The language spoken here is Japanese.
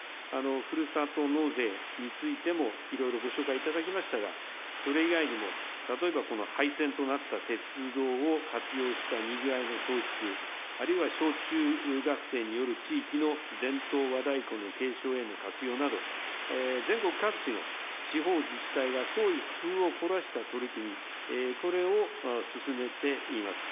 ふるさと納税についてもいろいろご紹介いただきましたが、それ以外にも、例えば廃線となった鉄道を活用したにぎわいの創出、あるいは小中学生による地域の伝統和太鼓の継承への活用など、全国各地の地方自治体が創意工夫を凝らした取り組み、これを進めています。